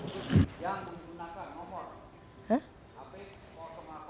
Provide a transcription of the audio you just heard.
yang digunakan nomor